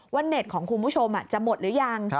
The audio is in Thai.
เน็ตของคุณผู้ชมจะหมดหรือยัง